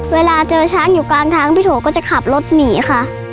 เวลาเจอช้างอยู่กลางทางพี่โถก็จะขับรถหนีค่ะ